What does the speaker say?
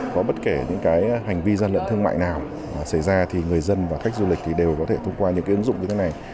có bất kể những cái hành vi gian lận thương mại nào xảy ra thì người dân và khách du lịch thì đều có thể thông qua những cái ứng dụng như thế này